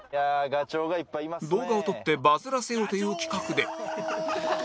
動画を撮ってバズらせようという企画で